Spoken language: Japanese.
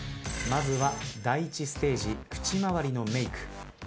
まずは第１ステージ口まわりのメイク。